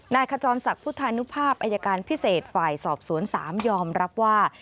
ขจรศักดิ์พุทธานุภาพอายการพิเศษฝ่ายสอบสวน๓ยอมรับว่า